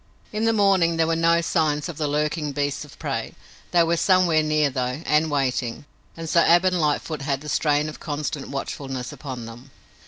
In the morning there were no signs of the lurking beasts of prey. They were somewhere near, though, and waiting, and so Ab and Lightfoot had the strain of constant watchfulness upon them.